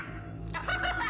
アハハハハ！